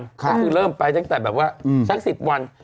ก็คือเริ่มไปตั้งแต่แบบว่าสัก๑๐วัน